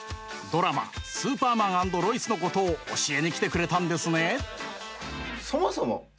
ドラマ「スーパーマン＆ロイス」のことを教えに来てくれたんですね。